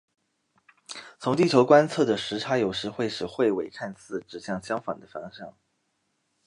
从地球观测的视差有时会使彗尾看似指向相反的方向。